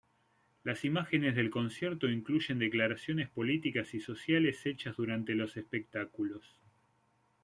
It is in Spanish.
Las imágenes del concierto incluyen declaraciones políticas y sociales hechas durante los espectáculos.